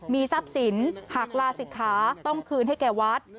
มีทรัพย์สินหากลาศิกขาต้องคืนให้แก่วัด